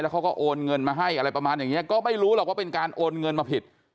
เขาก็โอนเงินมาให้อะไรประมาณอย่างนี้ก็ไม่รู้หรอกว่าเป็นการโอนเงินมาผิด